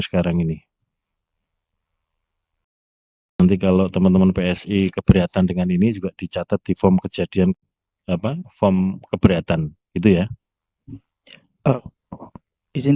keberatan dengan ini juga dicatat di form kejadian apa form keberatan itu ya oh isin